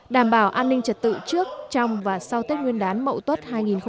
đảm bảo an ninh trật tự trước trong và sau tết nguyên đán mậu tuất hai nghìn hai mươi